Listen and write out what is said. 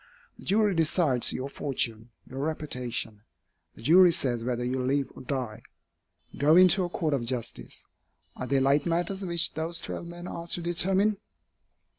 The jury decides your fortune, your reputation. The jury says whether you live or die. Go into a court of justice. Are they light matters which those twelve men are to determine?